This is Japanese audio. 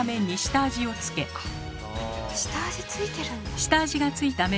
下味ついてるんだ。